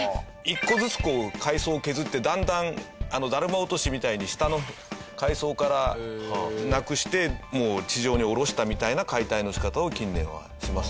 １個ずつこう階層を削ってだんだんだるま落としみたいに下の階層からなくして地上に下ろしたみたいな解体の仕方を近年はします。